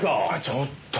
ちょっと！